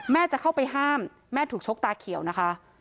จะเข้าไปห้ามแม่ถูกชกตาเขียวนะคะ